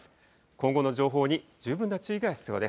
今後の情報に十分な注意が必要で